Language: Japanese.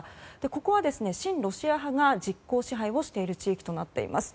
ここは親ロシア派が実効支配をしている地域となっています。